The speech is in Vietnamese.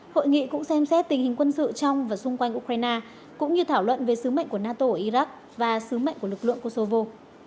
hội nghị cũng xem xét tình hình quân sự trong và xung quanh ukraine cũng như thảo luận về sứ mệnh của nato ở iraq và sứ mệnh của lực lượng kosovo